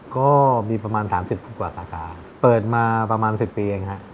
ก็มีประมาณสามสิบกว่าสาขาเปิดมาประมาณ๑๐ปีเองฮะ